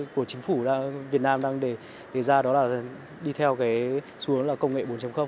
của chính phủ việt nam đang đề ra đó là đi theo cái xu hướng là công nghệ bốn